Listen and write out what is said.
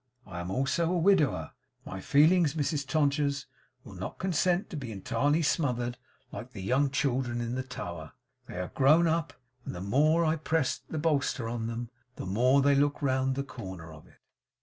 I am also a widower. My feelings, Mrs Todgers, will not consent to be entirely smothered, like the young children in the Tower. They are grown up, and the more I press the bolster on them, the more they look round the corner of it.